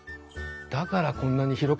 だからこんなに広くて。